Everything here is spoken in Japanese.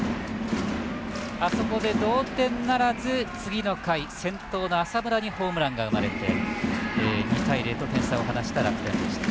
あそこで同点ならず次の回浅村にホームランが生まれて２対０と点差を離した楽天でした。